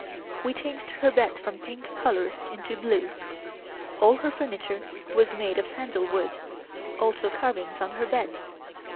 We changed her bed from pink color into blue. All her furniture was made of sandalwood, also carvings on her bed.